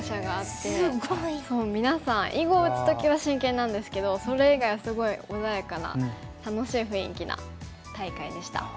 そうみなさん囲碁を打つ時は真剣なんですけどそれ以外はすごい穏やかな楽しい雰囲気な大会でした。